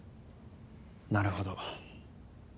なるほど。